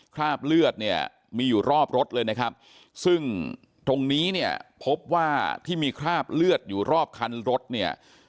คราบเลือดเนี่ยมีอยู่รอบรถเลยนะครับซึ่งตรงนี้เนี่ยพบว่าที่มีคราบเลือดอยู่รอบคันรถเนี่ย